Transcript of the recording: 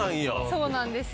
そうなんですよ。